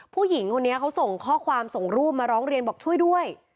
ผู้หญิงคนนี้เขาส่งข้อความส่งรูปมาร้องเรียนบอกช่วยด้วย